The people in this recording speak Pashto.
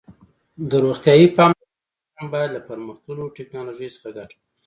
د روغتیايي پاملرنې سیسټم باید له پرمختللو ټکنالوژیو څخه ګټه واخلي.